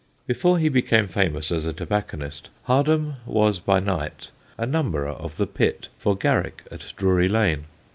Before he became famous as a tobacconist, Hardham was, by night, a numberer of the pit for Garrick at Drury Lane.